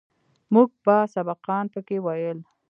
موږ به سبقان پکښې ويل.